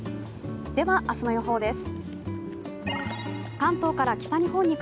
では明日の予報です。